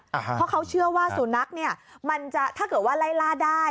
เพราะเขาเชื่อว่าสูนักถ้าเกิดว่าไล่ล่าได้